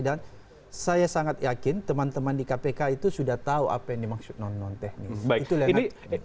dan saya sangat yakin teman teman di kpk itu sudah tahu apa yang dimaksud non teknis